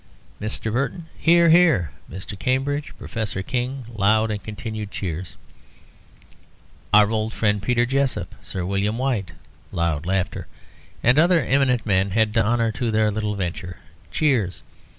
Mr. Burton (hear, hear), Mr. Cambridge, Professor King (loud and continued cheers), our old friend Peter Jessop, Sir William White (loud laughter), and other eminent men, had done honour to their little venture (cheers).